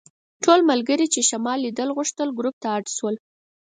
ټول ملګري چې شمال لیدل غوښتل ګروپ ته اډ شول.